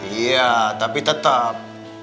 iya tapi tetap